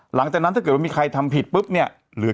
หลังจากนั้นถ้าเกิดว่ามีใครทำผิดปุ๊บเนี่ยเหลือ